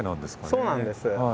そうなんです。